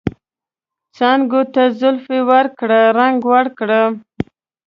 څانګو ته زلفې ورکړه ، رنګ ورکړه